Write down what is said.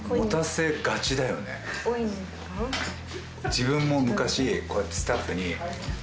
「自分も昔こうやってスタッフに」